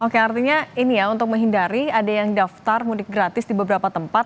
oke artinya ini ya untuk menghindari ada yang daftar mudik gratis di beberapa tempat